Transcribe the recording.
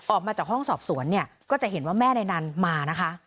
ออกมาจากห้องสอบสวนเนี่ยก็จะเห็นว่าแม่ในนั้นมานะคะ